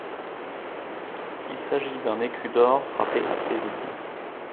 Il s'agit d'un écu d'or frappé à Séville.